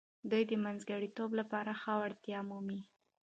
دوی د منځګړیتوب لپاره ښه وړتیا مومي.